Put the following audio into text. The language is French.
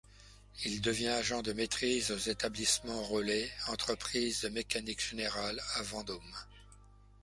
Il devient agent de maîtrise aux établissements Rollet, entreprise de mécanique générale, à Vendôme.